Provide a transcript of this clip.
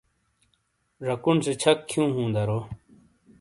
جاکون سے چھک کھیوں ہوں دارو۔